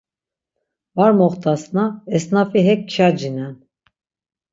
Var moxtas-na, esnafi hek kyacinen,